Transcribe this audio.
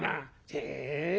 へえ。